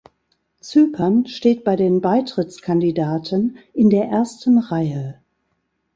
Zypern steht bei den Beitrittskandidaten in der ersten Reihe.